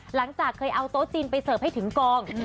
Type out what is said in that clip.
หลังจากเคยเอาโต๊ะจีนไปเสิร์ฟให้ถึงกอง